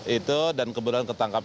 itu dan kebetulan ketangkap